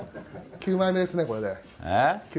９枚目ですね、これで。